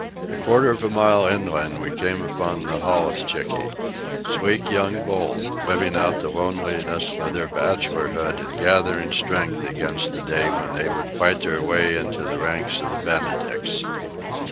A quarter of a mile inland we came upon the holluschickie—sleek young bulls, living out the loneliness of their bachelorhood and gathering strength against the day when they would fight their way into the ranks of the Benedicts.